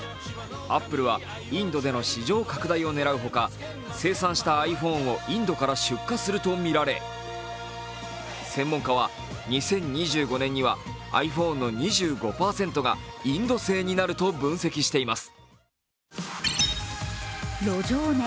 アップルは、インドでの市場拡大を狙うほか、生産したｉＰｈｏｎｅをインドから出荷するとみられ、専門家は２０２５年にはｉＰｈｏｎｅの２５％がインド製になると分析しています。